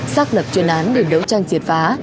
xác lập chuyên án để đấu tranh triệt phá